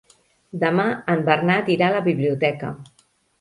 Demà en Bernat irà a la biblioteca.